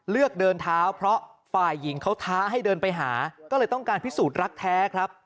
เลือกเดินเท้าเพราะฝ่ายหญิงเขาท้าให้เดินไปหาก็เลยต้องการพิสูจน์รักแท้ครับ